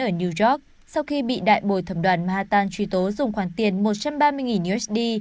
ở new york sau khi bị đại bồi thẩm đoàn mahatan truy tố dùng khoản tiền một trăm ba mươi usd